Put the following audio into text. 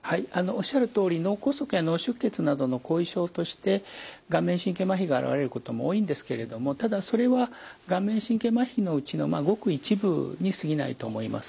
おっしゃるとおり脳梗塞や脳出血などの後遺症として顔面神経まひが現れることも多いんですけれどもただそれは顔面神経まひのうちのごく一部に過ぎないと思います。